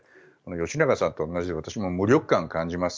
吉永さんと同じことで私も無力感を感じます。